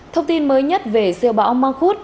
thông tin mới nhất về siêu bão mang khuất